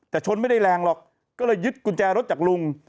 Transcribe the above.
แต่ชนไม่ได้แรงหรอกก็เลยยึดกุญแจรถจากลุง